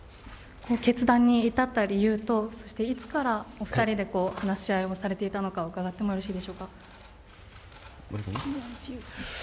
決断に至った理由と、そしていつからお２人で話し合いをされていたのか伺ってもよろしいでしょうか。